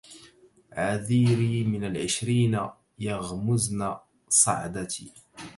عذيري من العشرين يغمزن صعدتي